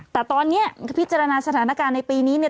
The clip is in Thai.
แต่ตอนนี้พิจารณาสถานการณ์ในปีนี้เนี่ย